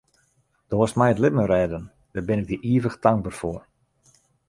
Do hast my it libben rêden, dêr bin ik dy ivich tankber foar.